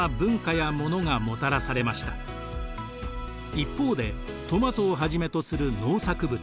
一方でトマトをはじめとする農作物